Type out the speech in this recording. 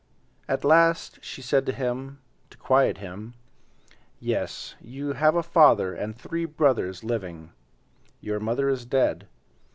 At last she said to him, to quiet him, "Yes, you have a father and three brothers living. Your mother is dead.